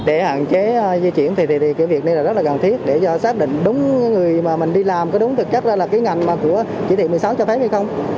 để hạn chế di chuyển thì việc này rất là cần thiết để xác định đúng người mà mình đi làm có đúng thực chất là cái ngành của chỉ thị một mươi sáu cho phép hay không